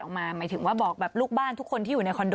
หมายถึงว่าบอกแบบลูกบ้านทุกคนที่อยู่ในคอนโ